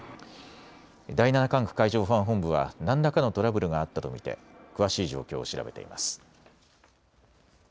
第７管区海上保安本部は何らかのトラブルがあったと見て詳しい状況を調べています。